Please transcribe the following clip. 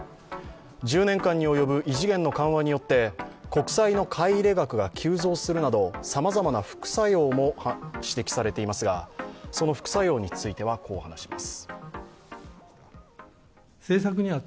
１０年間に及ぶ異次元の緩和によって国債の買い入れ額が急増するなどさまざまな副作用も指摘されていますが、その副作用については、こう話します。